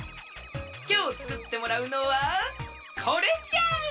きょうつくってもらうのはこれじゃ！